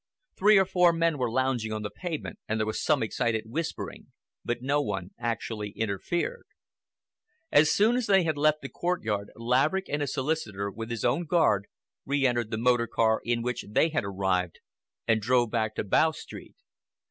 Three or four men were lounging on the pavement and there was some excited whispering, but no one actually interfered. As soon as they had left the courtyard, Laverick and his solicitor, with his own guard, re entered the motor car in which they had arrived, and drove back to Bow Street.